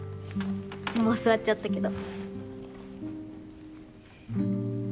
もう座っちゃったけど。